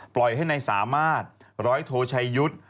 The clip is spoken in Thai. ปล่อยให้นายสามารถร้อยโทชัยยุทธ์